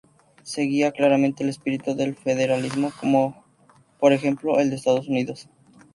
Seguía claramente el espíritu del federalismo como por ejemplo el de Estados Unidos.